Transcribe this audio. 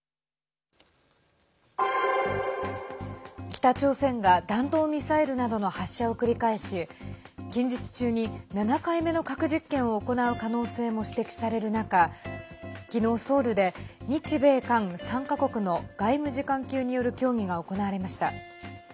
北朝鮮が弾道ミサイルなどの発射を繰り返し近日中に、７回目の核実験を行う可能性も指摘される中きのう、ソウルで日米韓３か国の外務次官級による協議が行われました。